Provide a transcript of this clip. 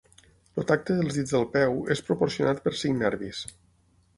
El tacte dels dits del peu és proporcionat per cinc nervis.